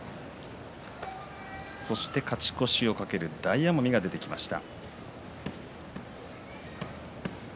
勝ち越しを懸ける大奄美が出てきました。